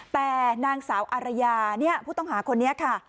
แต่นางสาวอารยาพูดต้องหาคนนี้ค่ะ